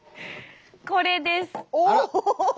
これです。